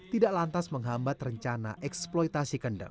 tidak lantas menghambat rencana eksploitasi kendeng